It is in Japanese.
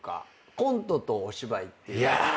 コントとお芝居って。